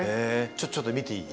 ちょっと見ていい？